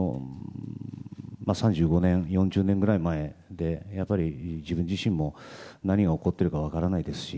３５年、４０年くらい前やっぱり自分自身も何が起こっているのか分からないですし